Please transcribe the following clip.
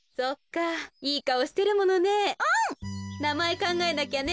なまえかんがえなきゃね。